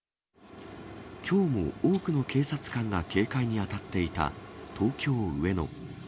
きょうも多くの警察官が警戒に当たっていた東京・上野。